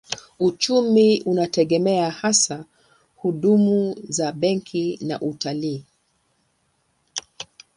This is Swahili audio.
Uchumi unategemea hasa huduma za benki na utalii.